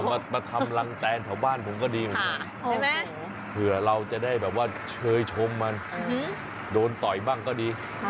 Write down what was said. มาทำรังแตนแถวบ้านผมก็ดีเหมือนกันเผื่อเราจะได้แบบว่าเชยชมมันโดนต่อยบ้างก็ดี